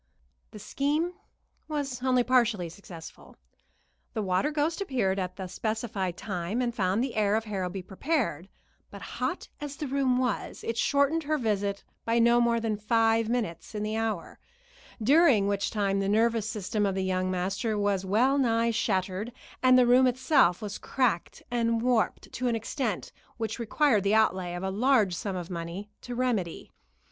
The scheme was only partially successful. The water ghost appeared at the specified time, and found the heir of Harrowby prepared; but hot as the room was, it shortened her visit by no more than five minutes in the hour, during which time the nervous system of the young master was well nigh shattered, and the room itself was cracked and warped to an extent which required the outlay of a large sum of money to remedy.